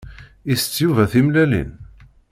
Isett Yuba timellalin?